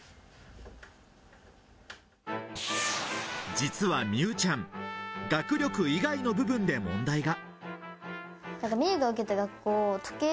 実は美羽ちゃん、学力以外の部分で問題が。